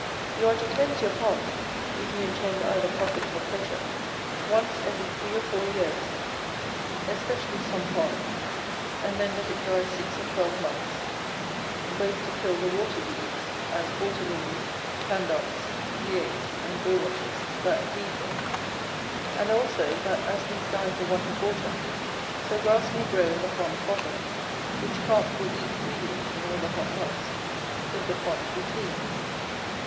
You are to cleanse your pond, if you intend either profit or pleasure, once every three or four years, especially some ponds, and then let it dry six or twelve months, both to kill the water weeds, as water lilies, candocks, reate, and bulrushes, that breed there; and also that as these die for want of water, so grass may grow in the pond's bottom, which Carps will eat greedily in all the hot months, if the pond be clean.